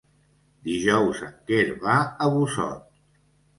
Dijous en Quer va a Busot.